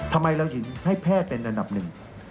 ทำไมเราถึงให้แพทย์เป็นอันดับหนึ่ง